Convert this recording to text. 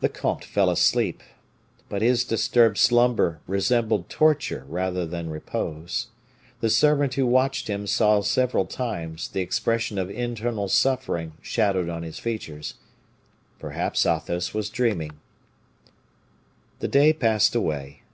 The comte fell asleep, but his disturbed slumber resembled torture rather than repose. The servant who watched him saw several times the expression of internal suffering shadowed on his features. Perhaps Athos was dreaming. The day passed away.